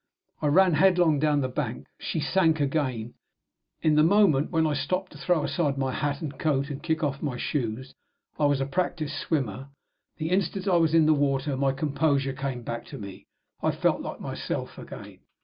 I ran headlong down the bank. She sank again, in the moment when I stopped to throw aside my hat and coat and to kick off my shoes. I was a practiced swimmer. The instant I was in the water my composure came back to me I felt like myself again.